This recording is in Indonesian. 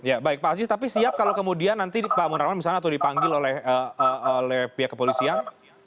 ya baik pak aziz tapi siap kalau kemudian nanti pak munarman misalnya atau dipanggil oleh pihak kepolisian